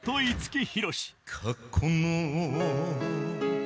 過去の